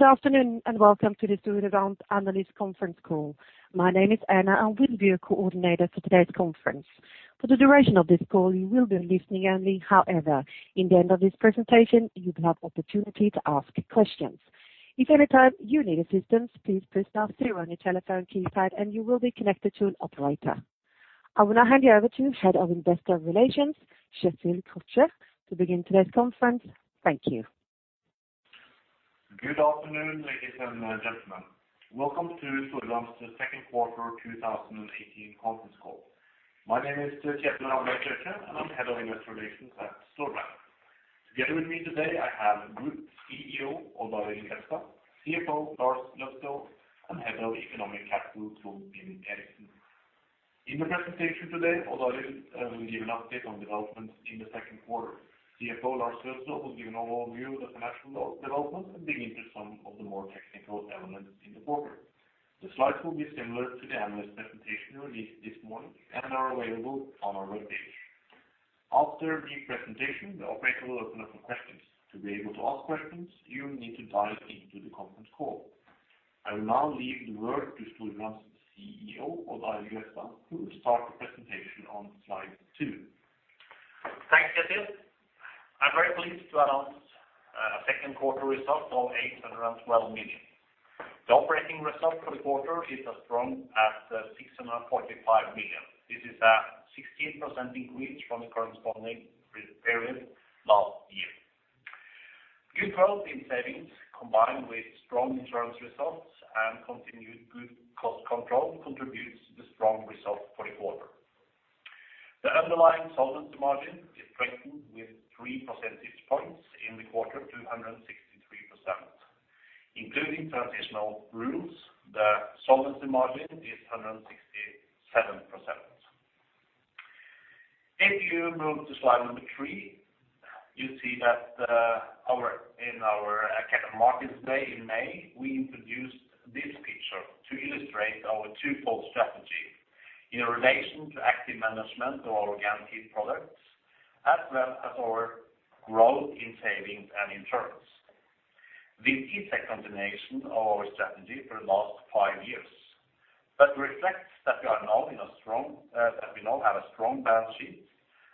Good afternoon, and welcome to the Storebrand Analyst Conference Call. My name is Anna, I will be your coordinator for today's conference. For the duration of this call, you will be listening only. However, in the end of this presentation, you will have the opportunity to ask questions. If any time you need assistance, please press star zero on your telephone keypad and you will be connected to an operator. I will now hand you over to Head of Investor Relations, Kjetil Krøkje, to begin today's conference. Thank you. Good afternoon, ladies and gentlemen. Welcome to Storebrand's second quarter 2018 conference call. My name is Kjetil Krøkje, and I'm Head of Investor Relations at Storebrand. Together with me today, I have Group CEO, Odd Arild Grefstad, CFO Lars Aa. Løddesøl, and Head of Economic Capital, Torunn Gjennings Eriksen. In the presentation today, Odd Arild will give an update on developments in the second quarter. CFO Lars Aa. Løddesøl will give an overview of the financial development and dig into some of the more technical elements in the quarter. The slides will be similar to the analyst presentation released this morning and are available on our webpage. After the presentation, the operator will open up for questions. To be able to ask questions, you need to dial into the conference call. I will now leave the word to Storebrand's CEO, Odd Arild Grefstad, who will start the presentation on slide two. Thanks, Kjetil. I'm very pleased to announce a second quarter result of 812 million. The operating result for the quarter is as strong as 645 million. This is a 16% increase from the corresponding period last year. Good growth in savings, combined with strong insurance results and continued good cost control, contributes the strong result for the quarter. The underlying solvency margin is strengthened with 3 percentage points in the quarter to 163%. Including transitional rules, the solvency margin is 167%. If you move to slide number 3, you see that in our Capital Markets Day in May, we introduced this picture to illustrate our twofold strategy in relation to active management of our organic products, as well as our growth in savings and insurance. This is a continuation of our strategy for the last five years, but reflects that we are now in a strong, that we now have a strong balance sheet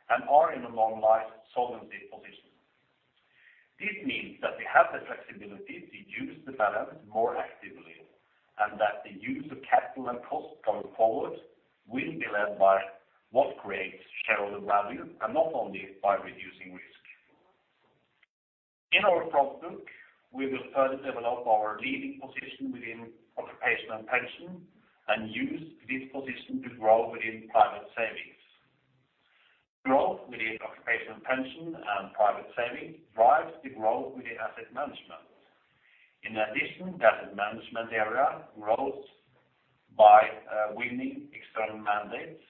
and are in a long-life solvency position. This means that we have the flexibility to use the balance more actively, and that the use of capital and cost going forward will be led by what creates shareholder value, and not only by reducing risk. In our product book, we will further develop our leading position within occupatioal pension, and use this position to grow within private savings. Growth within occupational pension and private savings drives the growth within asset management. In addition, the asset management area grows by, winning external mandates.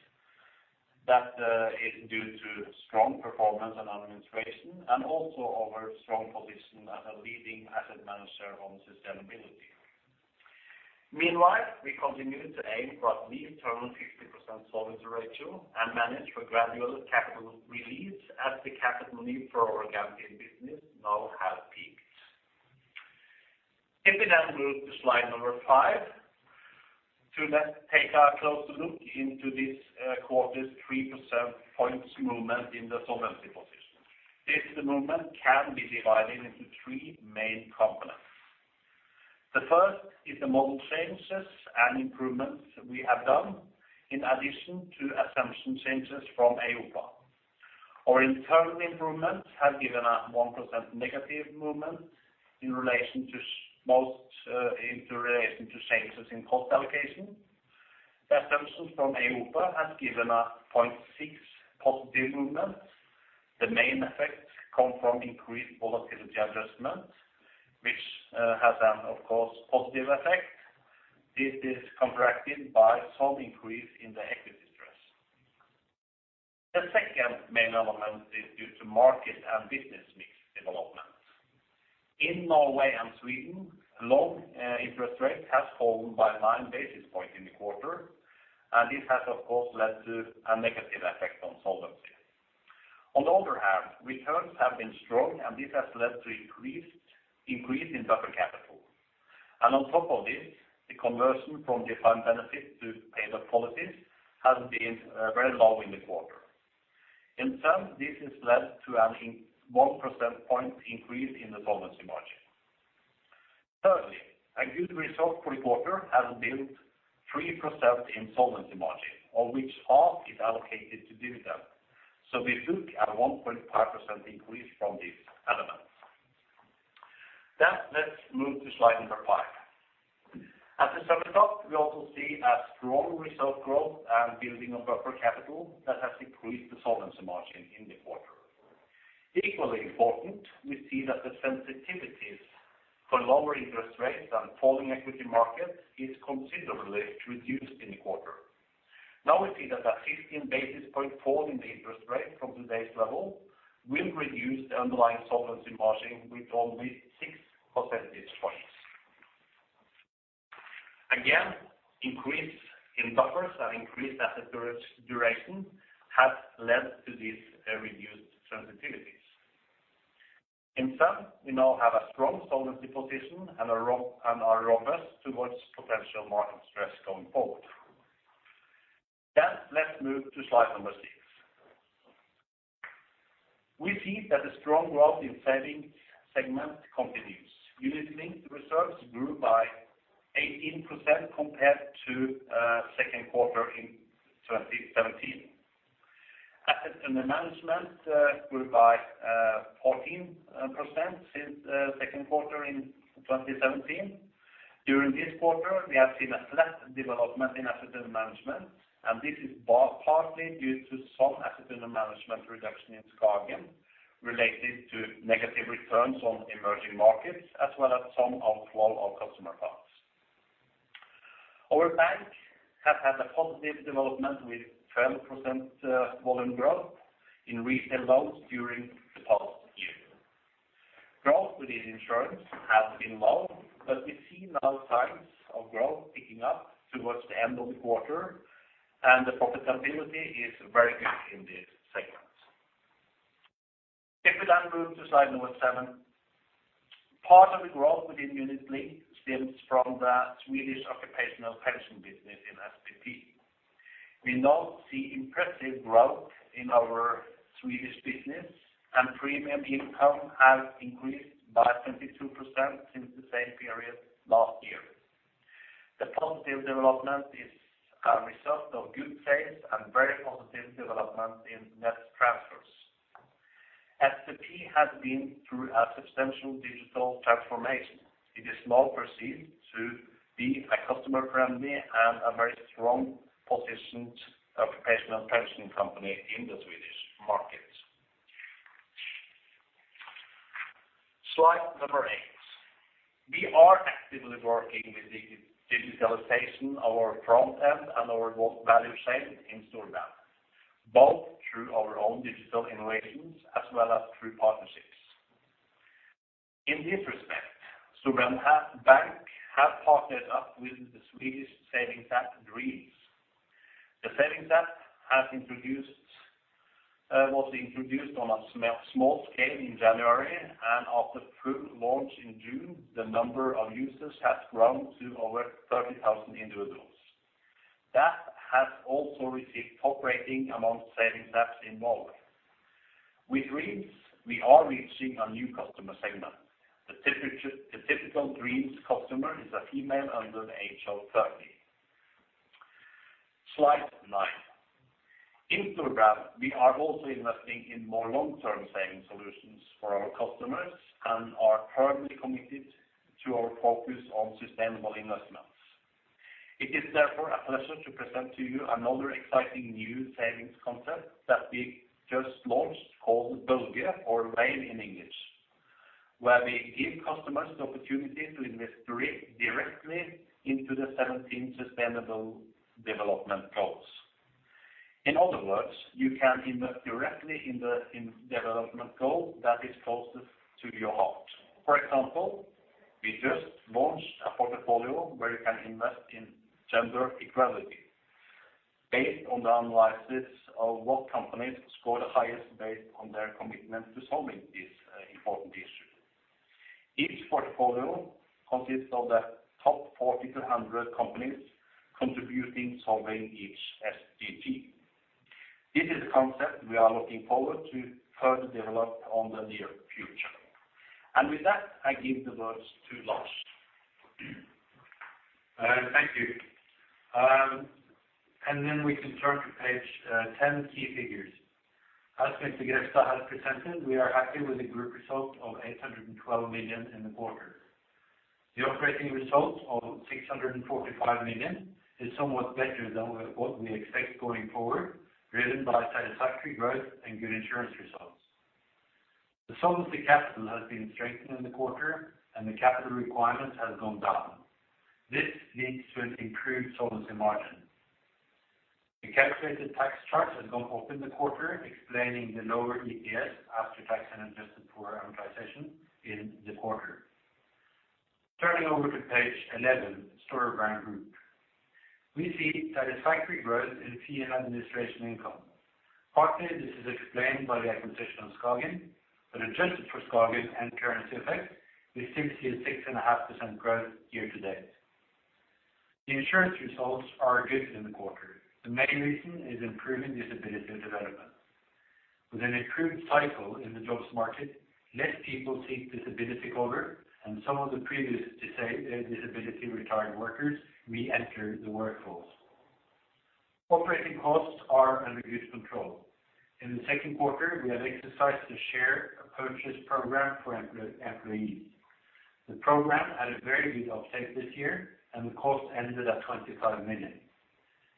That, is due to strong performance and administration, and also our strong position as a leading asset manager on sustainability. Meanwhile, we continue to aim for at least internal 50% solvency ratio and manage for gradual capital release as the capital need for our organic business now has peaked. If we then move to slide number 5, let's take a closer look into this quarter's 3 percentage points movement in the solvency position. This movement can be divided into 3 main components. The first is the model changes and improvements we have done in addition to assumption changes from EIOPA. Our internal improvements have given a 1% negative movement in relation to changes in cost allocation. Assumptions from EIOPA has given a 0.6 positive movement. The main effects come from increased volatility adjustment, which, of course, has a positive effect. This is counteracted by some increase in the equity stress. The second main element is due to market and business mix development. In Norway and Sweden, long interest rates have fallen by 9 basis points in the quarter, and this has, of course, led to a negative effect on solvency. On the other hand, returns have been strong, and this has led to an increase in buffer capital. And on top of this, the conversion from defined benefit to paid-up policies has been very low in the quarter. In sum, this has led to a 1 percentage point increase in the solvency margin. Thirdly, a good result for the quarter has built 3% in solvency margin, of which half is allocated to dividend. So we look at 1.5% increase from these elements. Then let's move to slide number 5. Summing it up, we also see a strong result growth and building of buffer capital that has increased the solvency margin in the quarter. Equally important, we see that the sensitivities for lower interest rates and falling equity markets is considerably reduced in the quarter. Now, we see that a 15 basis point fall in the interest rate from today's level will reduce the underlying solvency margin with only 6 percentage points. Again, increase in buffers and increased asset duration has led to these reduced sensitivities. In sum, we now have a strong solvency position and are robust towards potential market stress going forward. Then, let's move to slide number six. We see that the strong growth in saving segment continues. unit-linked reserves grew by 18% compared to second quarter in 2017. Assets under management grew by 14% since second quarter in 2017. During this quarter, we have seen a flat development in assets under management, and this is partly due to some assets under management reduction in Skagen, related to negative returns on emerging markets, as well as some outflow of customer funds. Our bank have had a positive development with 12%, volume growth in retail loans during the past year. Growth within insurance has been low, but we see now signs of growth picking up towards the end of the quarter, and the profitability is very good in this segment. If we then move to slide number 7, part of the growth within unit-linked stems from the Swedish occupational pension business in SPP. We now see impressive growth in our Swedish business, and premium income has increased by 22% since the same period last year. The positive development is a result of good sales and very positive development in net transfers. SPP has been through a substantial digital transformation. It is now perceived to be a customer-friendly and a very strong positioned occupational pension company in the Swedish market. Slide number 8. We are actively working with digitalization of our front end and our value chain in Storebrand, both through our own digital innovations as well as through partnerships. In this respect, Storebrand Bank have partnered up with the Swedish savings app, Dreams. The savings app has introduced, was introduced on a small scale in January, and after full launch in June, the number of users has grown to over 30,000 individuals. The app has also received top rating among savings apps involved. With Dreams, we are reaching a new customer segment. The the typical Dreams customer is a female under the age of 30. Slide 9. In Storebrand, we are also investing in more long-term saving solutions for our customers and are firmly committed to our focus on sustainable investments. It is therefore a pleasure to present to you another exciting new savings concept that we just launched called Våg, or Wave in English, where we give customers the opportunity to invest directly into the 17 Sustainable Development Goals. In other words, you can invest directly in the, in development goal that is closest to your heart. For example, we just launched a portfolio where you can invest in gender equality based on the analysis of what companies score the highest based on their commitment to solving this important issue. Each portfolio consists of the top 40-100 companies contributing, solving each SDG. This is a concept we are looking forward to further develop on the near future. And with that, I give the words to Lars. Thank you. Then we can turn to page 10, Key Figures. As Mr. Grefstad has presented, we are happy with the group result of 812 million in the quarter. The operating result of 645 million is somewhat better than what we expect going forward, driven by satisfactory growth and good insurance results. The solvency capital has been strengthened in the quarter, and the capital requirements have gone down. This leads to an improved solvency margin. The calculated tax charge has gone up in the quarter, explaining the lower EPS after tax and adjusted for amortization in the quarter. Turning over to page 11, Storebrand Group. We see that a satisfactory growth in fee and administration income. Partly, this is explained by the acquisition of Skagen, but adjusted for Skagen and currency effect, we still see a 6.5% growth year to date. The insurance results are good in the quarter. The main reason is improving disability development. With an improved cycle in the jobs market, less people seek disability cover, and some of the previous disabled retired workers re-enter the workforce. Operating costs are under good control. In the second quarter, we have exercised a share purchase program for employees. The program had a very good uptake this year, and the cost ended at 25 million.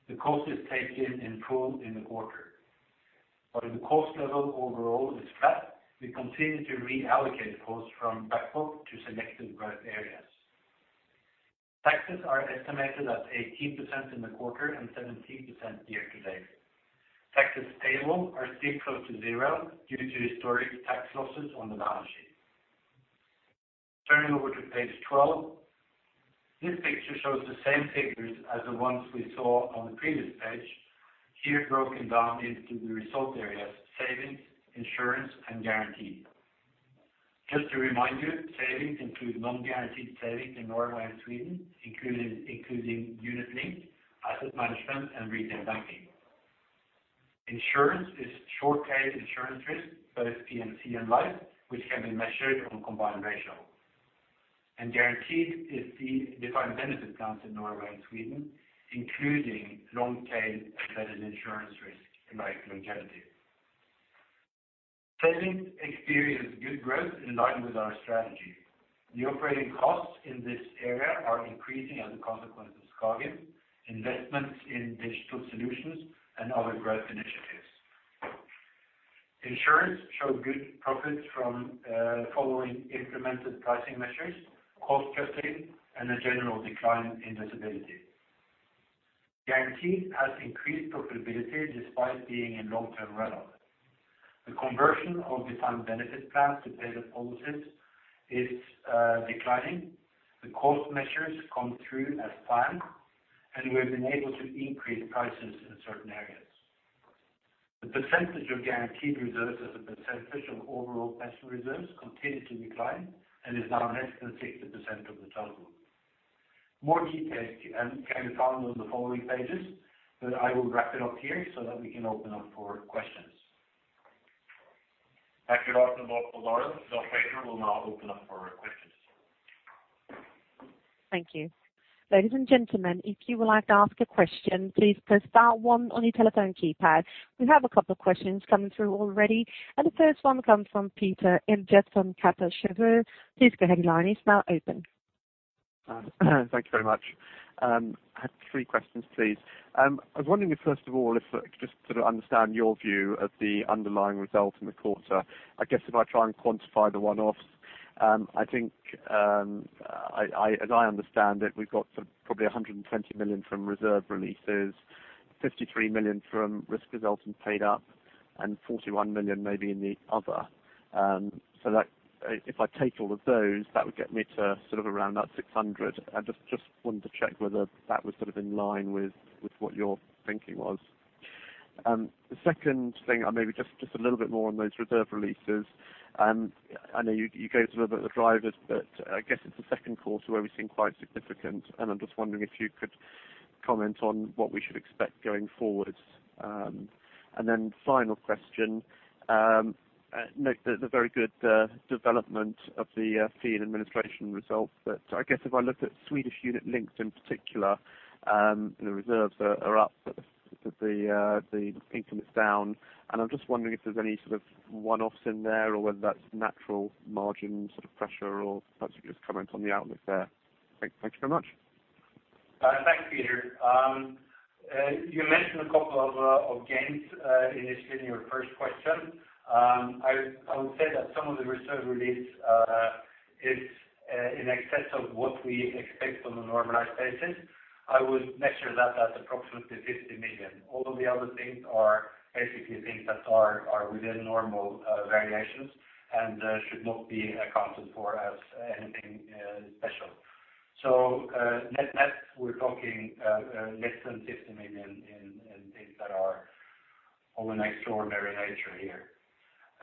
The cost is taken in full in the quarter. But the cost level overall is flat. We continue to reallocate costs from back office to selected growth areas. Taxes are estimated at 18% in the quarter and 17% year to date. Tax is stable or still close to zero due to historic tax losses on the balance sheet. Turning over to page 12, this picture shows the same figures as the ones we saw on the previous page. Here, broken down into the result areas, savings, insurance, and guaranteed. Just to remind you, savings include non-guaranteed savings in Norway and Sweden, including unit-linked, asset management, and retail banking. Insurance is short-tail insurance risk, both P&C and life, which can be measured on combined ratio. Guaranteed is the defined benefit plans in Norway and Sweden, including long-tail and vested insurance risk and life longevity. Savings experienced good growth in line with our strategy. The operating costs in this area are increasing as a consequence of Skagen investments in digital solutions and other growth initiatives. Insurance showed good profits from following implemented pricing measures, cost cutting, and a general decline in disability. Guaranteed has increased profitability despite being in long-term runoff. The conversion of defined benefit plans to paid-up policies policies is declining. The cost measures come through as planned, and we've been able to increase prices in certain areas. The percentage of guaranteed reserves as a percentage of overall pension reserves continues to decline and is now less than 60% of the total. More details can be found on the following pages, but I will wrap it up here so that we can open up for questions. Thank you very much, Lars. The operator will now open up for questions. Thank you. Ladies and gentlemen, if you would like to ask a question, please press star one on your telephone keypad. We have a couple of questions coming through already, and the first one comes from Peter Eliot from Kepler Cheuvreux. Please go ahead, your line is now open. Thank you very much. I have three questions, please. I was wondering if, first of all, if just to understand your view of the underlying results in the quarter. I guess if I try and quantify the one-offs, I think, as I understand it, we've got probably 120 million from reserve releases, 53 million from risk results and paid up, and 41 million maybe in the other. So that if I take all of those, that would get me to sort of around that 600. I just wanted to check whether that was sort of in line with what your thinking was. The second thing, or maybe just a little bit more on those reserve releases. I know you go through a bit of the drivers, but I guess it's the second quarter where we've seen quite significant. And I'm just wondering if you could comment on what we should expect going forward. And then final question, the very good development of the fee and administration results. But I guess if I look at Swedish unit-linked in particular, the reserves are up, but the income is down. And I'm just wondering if there's any sort of one-offs in there, or whether that's natural margin sort of pressure, or perhaps you just comment on the outlook there. Thank you so much. Thanks, Peter. You mentioned a couple of gains in your first question. I would say that some of the reserve release is in excess of what we expect on a normalized basis. I would measure that at approximately 50 million. All of the other things are basically things that are within normal variations and should not be accounted for as anything special. So, net, we're talking less than 50 million in things that are of an extraordinary nature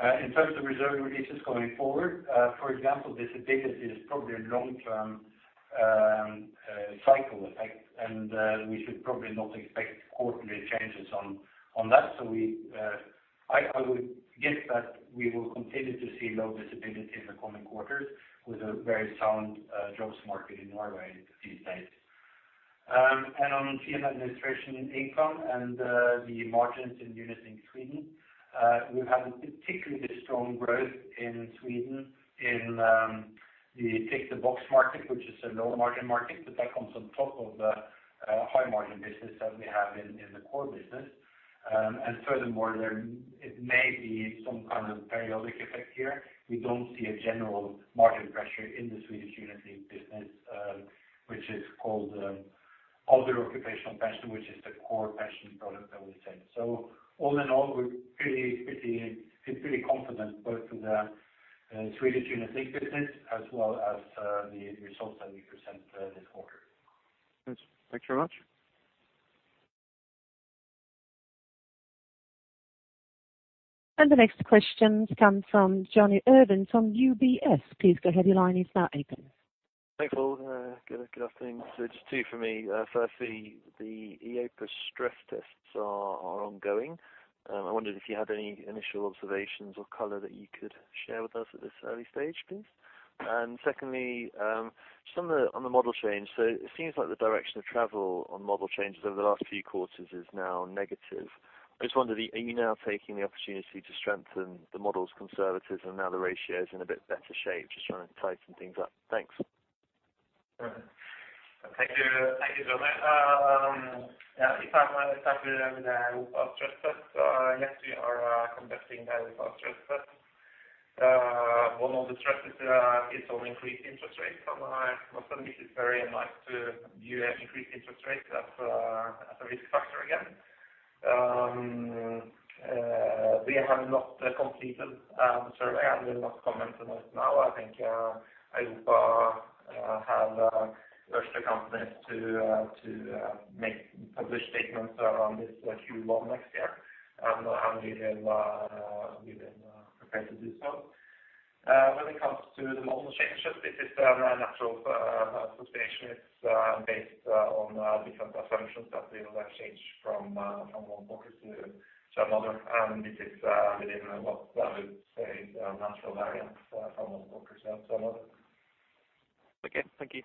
here. In terms of reserve releases going forward, for example, this liability is probably a long-term cycle effect, and we should probably not expect quarterly changes on that. So we would guess that we will continue to see low visibility in the coming quarters with a very sound jobs market in Norway these days. And on fee and administration income and the margins in unit-linked in Sweden, we've had a particularly strong growth in Sweden in the tick-the-box market, which is a low-margin market, but that comes on top of the high-margin business that we have in the core business. And furthermore, there it may be some kind of periodic effect here. We don't see a general margin pressure in the Swedish unit-linked business, which is called other occupational pension, which is the core pension product that we sell. So all in all, we're pretty, pretty, pretty confident, both in the Swedish unit-linked business as well as the results that we present this quarter. Thanks. Thanks very much. The next question comes from Jonny Urwin from UBS. Please go ahead, your line is now open. Thanks, all. Good afternoon. So just two for me. Firstly, the EA stress tests are ongoing. I wondered if you had any initial observations or color that you could share with us at this early stage, please? And secondly, just on the model change. So it seems like the direction of travel on model changes over the last few quarters is now negative. I just wonder, are you now taking the opportunity to strengthen the model's conservatism now the ratio is in a bit better shape, just trying to tighten things up? Thanks. Thank you. Thank you, Jonny. Yeah, if I may start with the stress tests. Yes, we are conducting the stress test.... one of the threats is on increased interest rates. And not so it's very nice to view increased interest rates as a risk factor again. We have not completed the survey, and we'll not comment on it now. I think EIOPA have urged the companies to make publish statements on this Q1 next year, and we have prepared to do so. When it comes to the model changes, this is a natural association. It's based on different assumptions that we will exchange from one focus to another, and this is, we didn't know what I would say, a natural variance from one focus to another. Okay, thank you.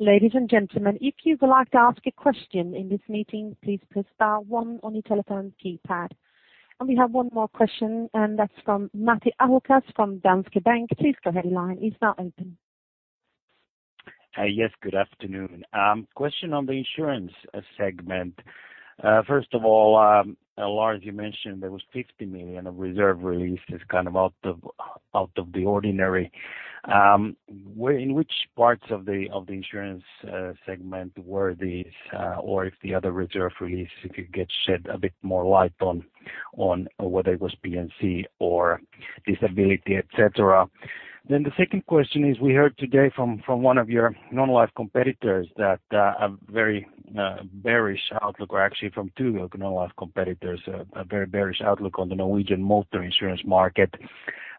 Ladies and gentlemen, if you would like to ask a question in this meeting, please press star one on your telephone keypad. We have one more question, and that's from Matti Ahokas from Danske Bank. Please go ahead, line is now open. Yes, good afternoon. Question on the insurance segment. First of all, Lars, you mentioned there was 50 million of reserve release is kind of out of the ordinary. Where, in which parts of the insurance segment were these, or if the other reserve release, if you could shed a bit more light on, on whether it was P&C or disability, et cetera. Then the second question is, we heard today from one of your non-life competitors that a very bearish outlook, or actually from two non-life competitors, a very bearish outlook on the Norwegian motor insurance market.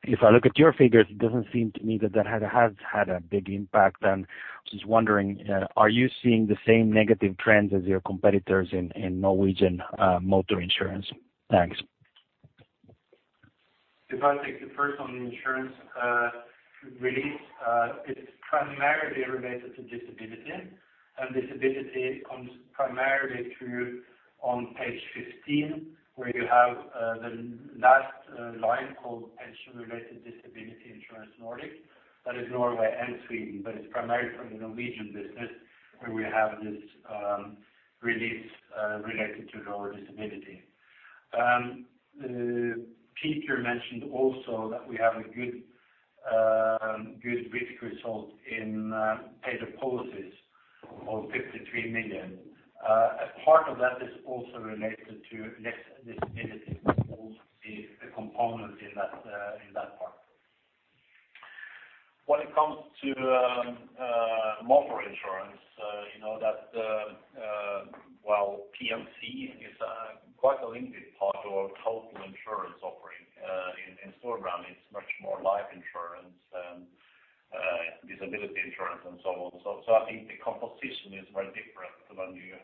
If I look at your figures, it doesn't seem to me that that had, has had a big impact. Just wondering, are you seeing the same negative trends as your competitors in Norwegian motor insurance? Thanks. If I take the first on the insurance release, it's primarily related to disability, and disability comes primarily through on page 15, where you have the last line called Pension Related Disability Insurance Nordic. That is Norway and Sweden, but it's primarily from the Norwegian business, where we have this release related to lower disability. Peter mentioned also that we have a good risk result in paid-up policies of 53 million. A part of that is also related to net disability, a component in that part. When it comes to motor insurance, you know that well, P&C is quite a limited part of our total insurance offering in Storebrand. It's much more life insurance and disability insurance and so on. So I think the composition is very different when you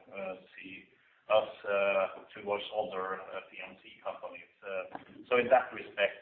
see us towards other P&C companies. So in that respect,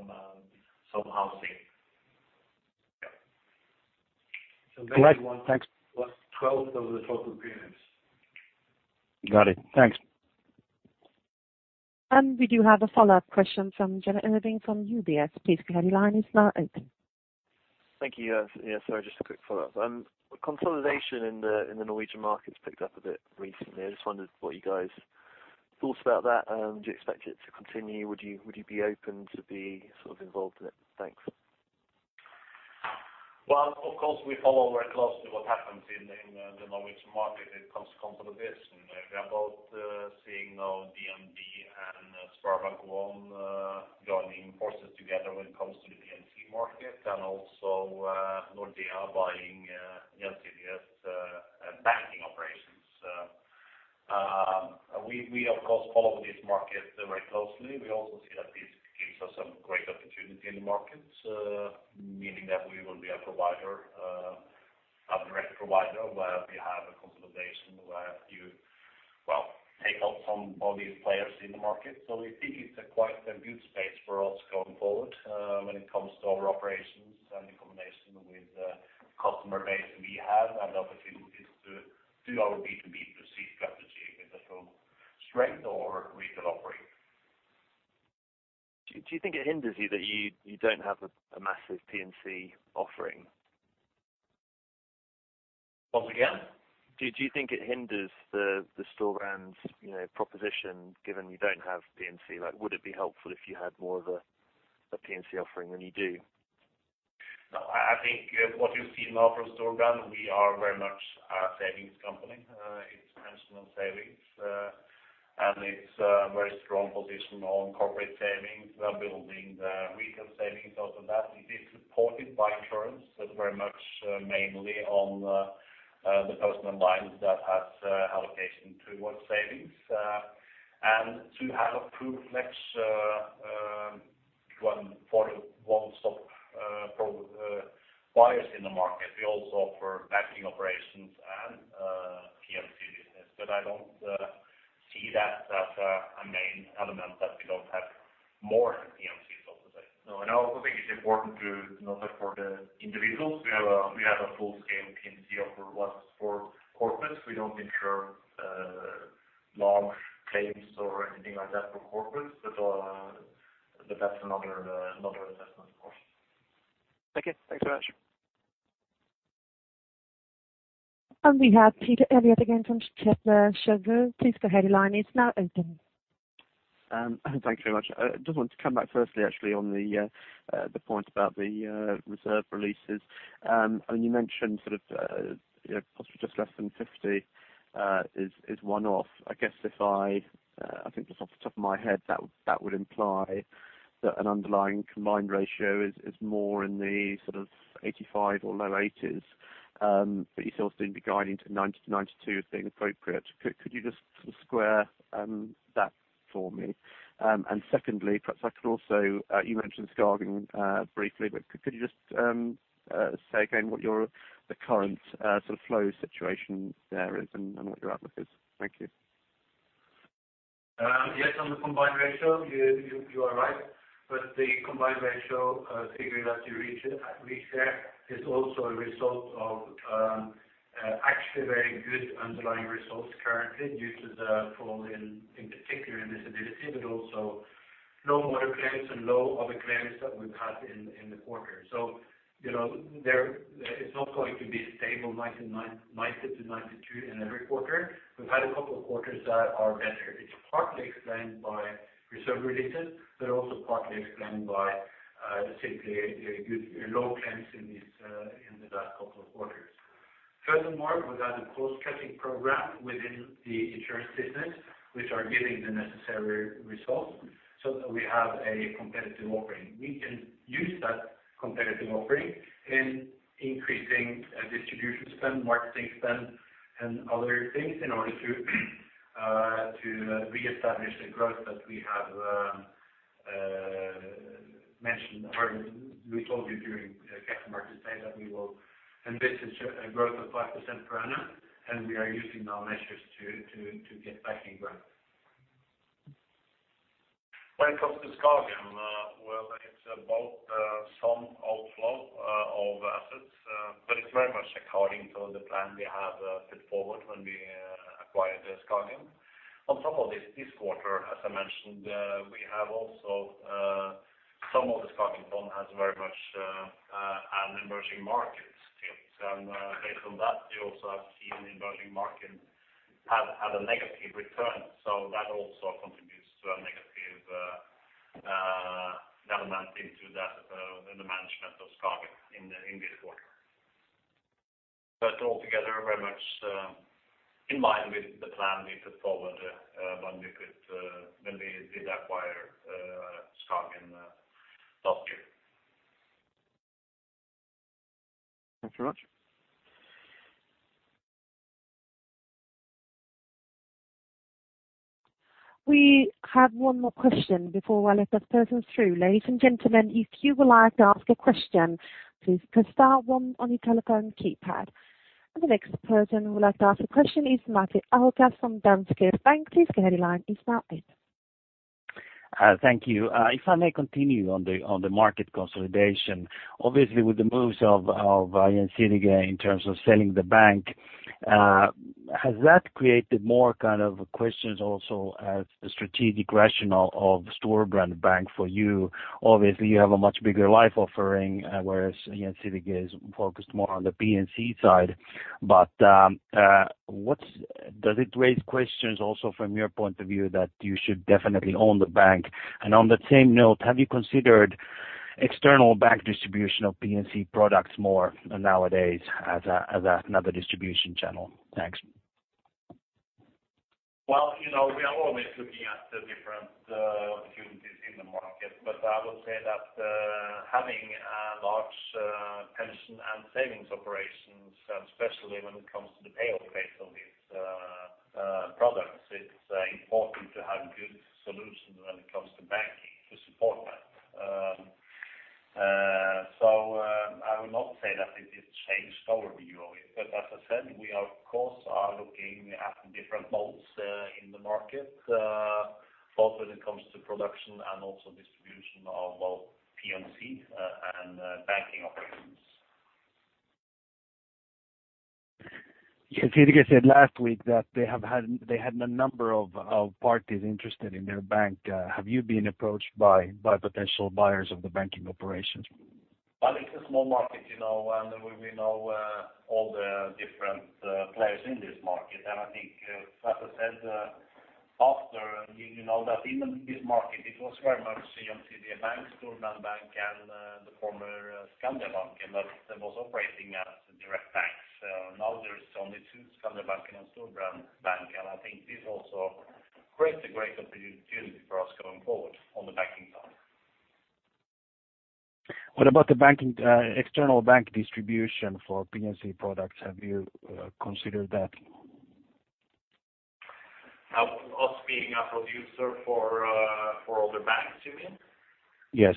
I think if you look at the premium composition in the presentation, you see that the personal lines, it's I don't know what it was called. Yeah, one third, more or less. And then again, you have a pure P&C, which is probably half of half of that. And of the pure P&C, that's mainly motor, but also some housing. Yeah. So great. Thanks. Plus twelfth of the total premiums. Got it, thanks. We do have a follow-up question from Jonny Urwin from UBS. Please go ahead, line is now open. Thank you. Yeah, sorry, just a quick follow-up. Consolidation in the Norwegian market has picked up a bit recently. I just wondered what you guys thoughts about that? Do you expect it to continue? Would you be open to be sort of involved in it? Thanks. Well, of course, we follow very closely what happens in the Norwegian market when it comes to consolidation. We are both seeing now DNB and SpareBank 1 joining forces together when it comes to the P&C market and also Nordea buying banking operations. We of course follow this market very closely. We also see that this gives us some great opportunity in the market, meaning that we will be a provider, a direct provider, where we have a consolidation, where you well take out some of these players in the market. So we think it's quite a good space for us going forward, when it comes to our operations and in combination with the customer base we have. And the opportunity is to do our B2B2C strategy with the full strength of our retail offering. Do you think it hinders you, that you don't have a massive P&C offering? Once again. Do you think it hinders the, the Storebrand's, you know, proposition, given you don't have P&C? Like, would it be helpful if you had more of a, a P&C offering than you do? No, I think what you see now from Storebrand, we are very much a savings company. It's personal savings, and it's a very strong position on corporate savings. We are building the retail savings out of that. It is supported by insurance, but very much mainly on the personal lines that has allocation towards savings. And to have a one-stop for buyers in the market. We also offer banking operations and P&C business. But I don't see that as a main element that we don't have more P&Cs out there. No, and I also think it's important to note that for the individuals, we have a full-scale P&C offer that is for corporates. We don't insure large claims or anything like that for corporates. But that's another assessment, of course. Thank you. Thanks very much. We have Peter Eliot again from Kepler Cheuvreux. Please, the line is now open. Thank you very much. I just want to come back firstly, actually, on the point about the reserve releases. And you mentioned sort of, you know, possibly just less than 50 is one-off. I guess if I think just off the top of my head, that would imply that an underlying combined ratio is more in the sort of 85 or low 80s. But you still seem to be guiding to 90-92 as being appropriate. Could you just sort of square that for me? And secondly, perhaps I could also, you mentioned Skagen briefly, but could you just say again what the current sort of flow situation there is and what your outlook is? Thank you. Yes, on the combined ratio, you are right. But the combined ratio figure that you reach there is also a result of actually very good underlying results currently due to the fall in, in particular, in disability, but also non-motor claims and low other claims that we've had in the quarter. So you know, there, it's not going to be stable 99, 90-92 in every quarter. We've had a couple of quarters that are better. It's partly explained by reserve releases, but also partly explained by simply a good low claims in the last couple of quarters. Furthermore, we've had a cost cutting program within the insurance business, which are giving the necessary results so that we have a competitive offering. We can use that competitive offering in increasing distribution spend, marketing spend, and other things in order to reestablish the growth that we have mentioned, or we told you during the customer day, that we will invest in growth of 5% per annum, and we are using our measures to get back in growth. When it comes tp Skagen, well, it's about some outflow of assets, but it's very much according to the plan we have put forward when we acquired the Skagen On top of this, this quarter, as I mentioned, we have also some of the Skagen fund has very much an emerging market skills. And, based on that, you also have seen emerging market have had a negative return. So that also contributes to a negative element into that in the management of Skagen in this quarter. But altogether, very much in line with the plan we put forward when we could when we did acquire Skagen last year. Thanks very much. We have one more question before I let that person through. Ladies and gentlemen, if you would like to ask a question, please press star one on your telephone keypad. The next person who would like to ask a question is Matti Ahokas from Danske Bank. Please go ahead, line is now open. Thank you. If I may continue on the market consolidation. Obviously, with the moves of If again, in terms of selling the bank, has that created more kind of questions also as the strategic rationale of Storebrand Bank for you? Obviously, you have a much bigger life offering, whereas If is focused more on the P&C side. But, does it raise questions also from your point of view, that you should definitely own the bank? And on that same note, have you considered external bank distribution of P&C products more nowadays as another distribution channel? Thanks. Well, you know, we are always looking at the different opportunities in the market. But I will say that, having a large pension and savings operations, and especially when it comes to the payout base of these products, it's important to have a good solution when it comes to banking to support that. I would not say that it has changed our view of it, but as I said, we are of course are looking at different modes in the market, both when it comes to production and also distribution of, well, P&C, and banking operations. You can see they said last week that they had a number of parties interested in their bank. Have you been approached by potential buyers of the banking operations? Well, it's a small market, you know, and we know all the different, you know, players in this market. I think, as I said, after, you know that in this market it was very much DNB, Storebrand Bank, and the former Skandiabanken that was operating as direct banks. Now there are only two, Skandiabanken and Storebrand Bank, and I think this also creates a great opportunity for us going forward on the banking side. What about the banking, external bank distribution for P&C products? Have you considered that?... us being a producer for other banks, you mean? Yes.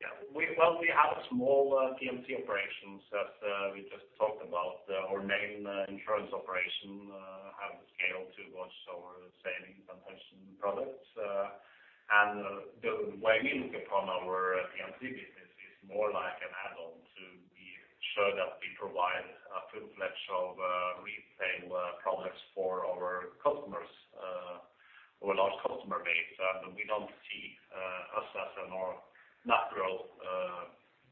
Yeah, we, well, we have a small P&C operations that we just talked about. Our main insurance operation have the scale to watch over selling pension products. And the way we look upon our P&C business is more like an add-on to be sure that we provide a full-fledged of retail products for our customers, our large customer base. And we don't see us as a more natural,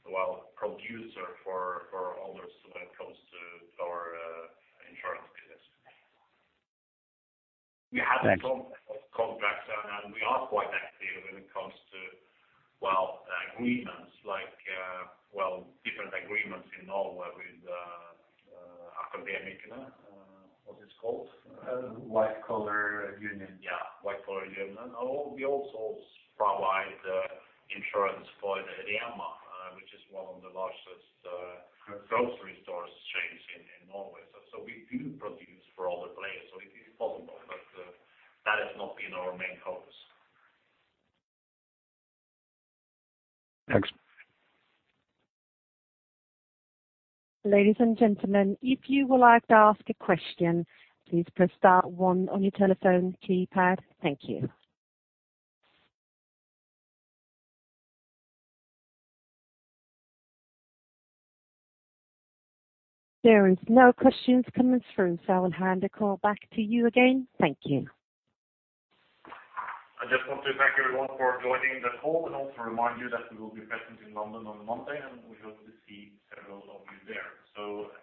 well, producer for others when it comes to our insurance business. We have contracts, and we are quite active when it comes to, well, agreements like, well, different agreements in Norway with academic, what it's called? White Collar Union. Yeah, White Collar Union. We also provide insurance for the Rema, which is one of the largest grocery stores chains in Norway. So, so we do produce for all the players, so it is possible, but that has not been our main focus. Thanks. Ladies and gentlemen, if you would like to ask a question, please press star one on your telephone keypad. Thank you. There is no questions coming through, so I'll hand the call back to you again. Thank you. I just want to thank everyone for joining the call and also remind you that we will be present in London on Monday, and we hope to see several of you there. So,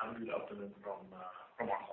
have a good afternoon from our side.